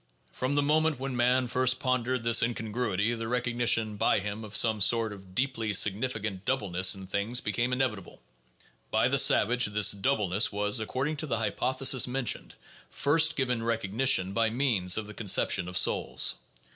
From the moment when man first pon dered this incongruity, the recognition by him of some sort of deeply significant doubleness in things became inevitable. By the savage that doubleness was (according to the hypothesis mentioned) first given recognition by means of the conception of souls.